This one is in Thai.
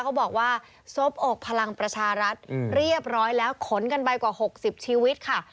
เขาบอกว่าซบอกพลังประชารัฐเรียบร้อยแล้วขนกันไปกว่า๖๐ชีวิตค่ะ